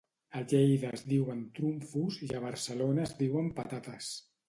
A Lleida es diuen trumfos i a Barcelona es diuen patates